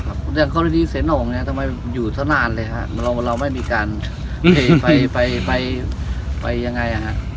อย่างก้อติดดี้เสนองทำไมอยู่เท่านานเลยเหร้าเราไม่มีการไปไปไปยังไงนะ